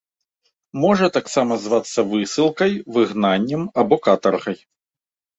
Можа таксама звацца высылкай, выгнаннем або катаргай.